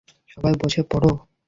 সবাই বসে পড়ো।